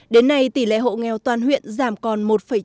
đến nay tỷ lệ hộ nghèo toàn huyện giảm còn một chín